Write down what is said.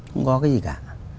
không có cái gì cả